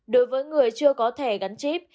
đối với người chưa có thẻ gắn chip